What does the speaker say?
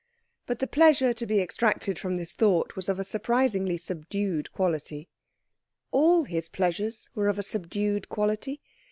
But the pleasure to be extracted from this thought was of a surprisingly subdued quality. All his pleasures were of a subdued quality.